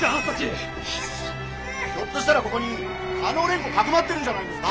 ひょっとしたらここに嘉納蓮子をかくまってるんじゃないですか？